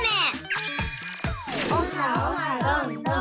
オハオハどんどん！